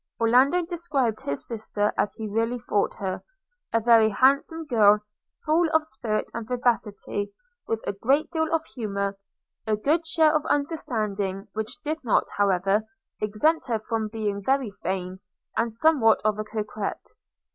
Orlando described his sister as he really thought her – a very handsome girl, full of spirit and vivacity, with a great deal of good humour – a good share of understanding, which did not, however, exempt her from being very vain, and somewhat of a coquette.